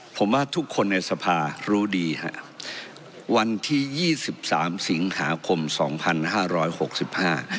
ผมว่าทุกคนในสภารู้ดีฮะวันที่ยี่สิบสามสิงหาคมสองพันห้าร้อยหกสิบห้า